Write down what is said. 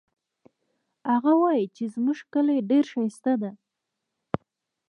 هغه وایي چې زموږ کلی ډېر ښایسته ده